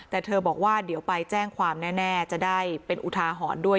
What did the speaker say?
แต่เธอบอกว่าเดี๋ยวไปแจ้งความแน่จะได้เป็นอุทาหรณ์ด้วย